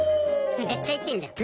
めっちゃ言ってんじゃん。